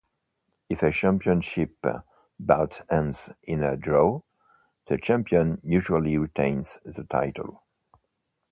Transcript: If a championship bout ends in a draw, the champion usually retains the title.